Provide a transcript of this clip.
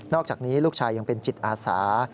อกจากนี้ลูกชายยังเป็นจิตอาสา